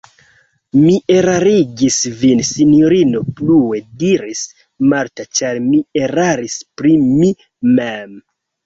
Mi erarigis vin, sinjorino, plue diris Marta, ĉar mi eraris pri mi mem.